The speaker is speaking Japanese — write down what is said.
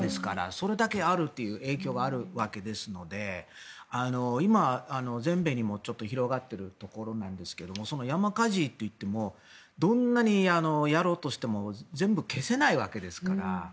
それだけ影響があるというわけですので今、全米にも広がっているところなんですが山火事といってもどんなにやろうとしても全部消せないわけですから。